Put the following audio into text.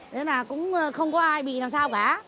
đấy là cũng không có ai bị làm sao cả